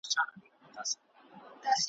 له ټوکرانو څخه جوړه وه رنګینه `